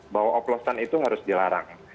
bahwa oplosan itu harus dilarang